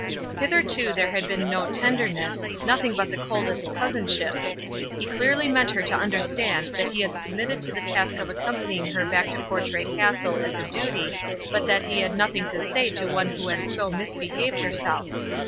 Hitherto there had been no tenderness, nothing but the coldest cousinship. He clearly meant her to understand that he had submitted to the task of accompanying her back to Portray Castle as a duty, but that he had nothing to say to one who had so misbehaved herself.